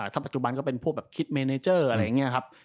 ถ้าปัจจุบันก็เป็นพวกแบบคิดเมเนเจอร์อะไรอย่างนี้ครับ